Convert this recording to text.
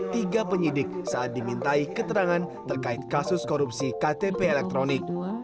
tiga penyidik saat dimintai keterangan terkait kasus korupsi ktp elektronik